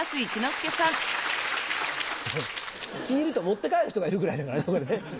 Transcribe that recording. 気に入ると持って帰る人がいるぐらいですからね。